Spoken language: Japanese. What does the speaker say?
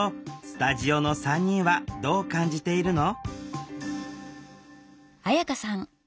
スタジオの３人はどう感じているの？